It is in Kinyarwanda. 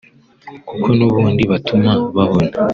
kuko n’ubundi batuma babona